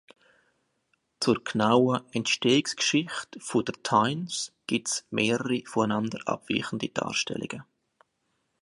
Zur genauen Entstehungsgeschichte der Times gibt es mehrere voneinander abweichende Darstellungen.